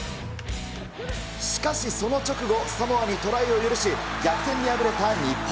しかしその直後、サモアにトライを許し、逆転で敗れた日本。